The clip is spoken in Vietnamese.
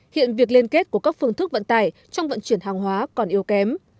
hiện việc liên kết của các phương thức vận tải trong vận chuyển hàng hóa còn yếu kém